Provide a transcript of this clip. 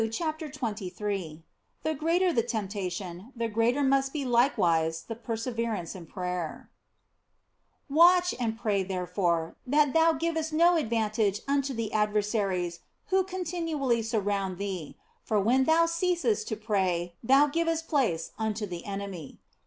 CHAPTER XXIII THE GREATER THE TEMPTATION, THE GREATER MUST BE LIKEWISE THE PERSEVERANCE IN PRAYER WATCH and pray, therefore, that thou givest no ad vantage unto the adversaries who continually surround io6 THE BLESSED ANGELA thee ; for when them ceasest to pray, thou givest place unto the enemy.